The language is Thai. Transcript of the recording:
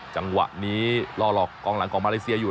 จังหวะนี้ล่อหลอกกองหลังของมาเลเซียอยู่